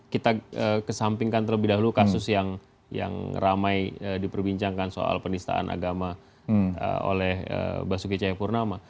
kita kesampingkan terlebih dahulu kasus yang ramai diperbincangkan soal penistaan agama oleh basuki cahayapurnama